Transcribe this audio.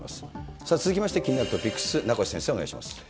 さあ、続きまして、気になるトピックス、名越先生、お願いします。